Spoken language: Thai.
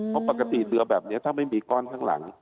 เพราะปกติเรือแบบนี้ถ้าไม่มีก้อนข้างหลัง